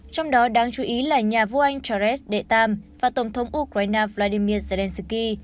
trong đó đáng chú ý là nhà vua anh charles d tam và tổng thống ukraine vladimir zelenskyy